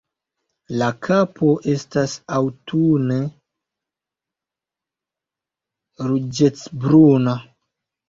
La kapo estas aŭtune ruĝecbruna.